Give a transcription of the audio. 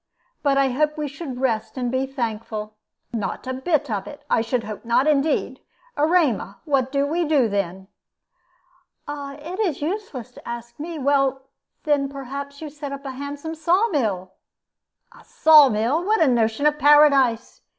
But I hope that we should rest and be thankful." "Not a bit of it. I should hope not, indeed. Erema, what do we do then?" "It is useless to ask me. Well, then, perhaps you set up a handsome saw mill!" "A saw mill! What a notion of Paradise!